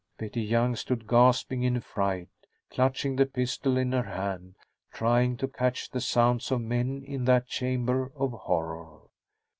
Betty Young stood, gasping in fright, clutching the pistol in her hand, trying to catch the sounds of men in that chamber of horror.